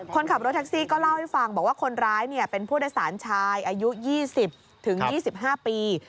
คนขับรถแท็กซี่ก็เล่าให้ฟังบอกว่าคนร้ายเป็นผู้โดยสารชายอายุ๒๐๒๕ปี